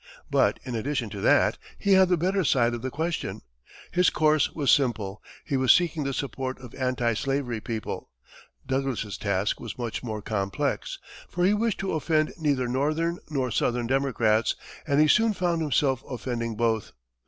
But in addition to that, he had the better side of the question. His course was simple; he was seeking the support of anti slavery people; Douglas's task was much more complex, for he wished to offend neither northern nor southern Democrats, and he soon found himself offending both.